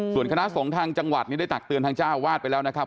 ส่วนคณะสงฆ์ทางจังหวัดนี้ได้ตักเตือนทางเจ้าวาดไปแล้วนะครับ